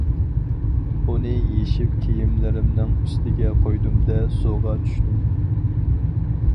ئۇنى يېشىپ كىيىملىرىمنىڭ ئۈستىگە قويدۇم-دە، سۇغا چۈشتۈم.